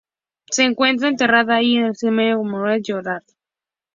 Se encuentra enterrada allí, en el cementerio Mount Royal.